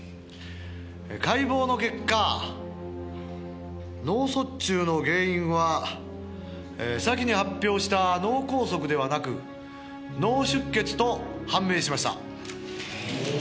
「解剖の結果脳卒中の原因は先に発表した脳こうそくではなく脳出血と判明しました」